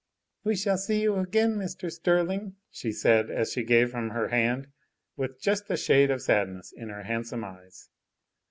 "We shall see you again, Mr. Sterling," she said as she gave him her hand, with just a shade of sadness in her handsome eyes.